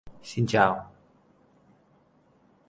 xin chào